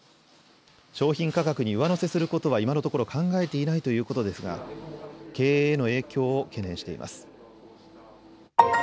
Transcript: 商品価格に上乗せすることは今のところ考えていないということですが経営への影響を懸念しています。